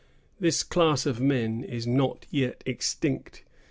This class of men is not yet extinct.